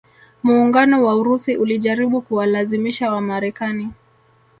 Muungano wa Urusi ulijaribu kuwalazimisha Wamarekani